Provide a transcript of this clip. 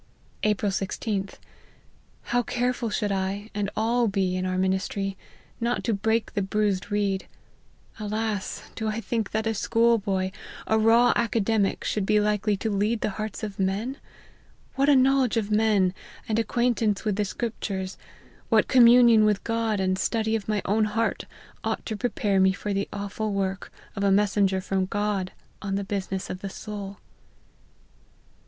" April IG'A. How careful should I, and all be, in our ministry, not to break the bruised reed ! Alas ! do 1 think that a schoolboy, a raw academic, should be likely to lead the hearts of men ? what a knowledge of men, and acquaintance with the Scriptures, what communion with God, and study of my own heart, ought to prepare me for the aw ful work of a messenger from God on the business of the soul